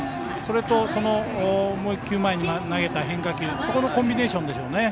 それともう１球前に投げた変化球そこのコンビネーションでしょう。